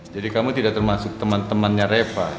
jadi kamu tidak termasuk teman temannya reva